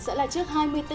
sẽ là trước hai mươi bốn h